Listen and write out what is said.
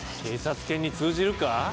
警察犬に通じるか？